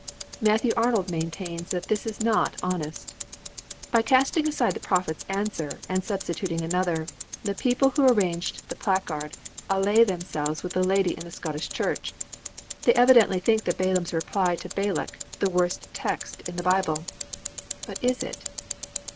_' Matthew Arnold maintains that this is not honest. By casting aside the prophet's answer, and substituting another, the people who arranged the placard ally themselves with the lady in the Scottish church. They evidently think Balaam's reply to Balak the worst text in the Bible. But is it?